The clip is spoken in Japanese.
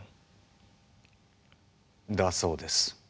だそうです。